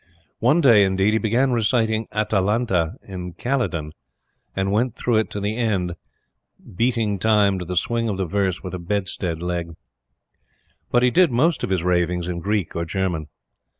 One day, indeed, he began reciting Atalanta in Calydon, and went through it to the end, beating time to the swing of the verse with a bedstead leg. But he did most of his ravings in Greek or German.